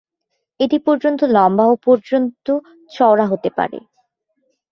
এটি পর্যন্ত লম্বা ও পর্যন্ত চওড়া হতে পারে।